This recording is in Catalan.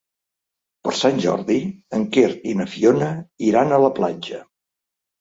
Per Sant Jordi en Quer i na Fiona iran a la platja.